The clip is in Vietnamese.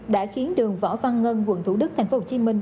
đã khiến đường võ văn ngân quận thủ đức tp hcm